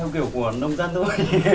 kiểu của nông dân thôi